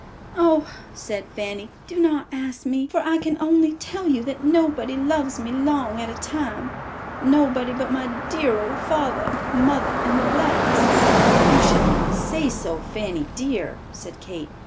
"Oh," said Fanny, "do not ask me, for I can only tell you that nobody loves me long at a time—nobody but my dear old father, mother, and the blacks." "You should not say so, Fanny dear," said Kate.